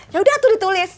yaudah tuh ditulis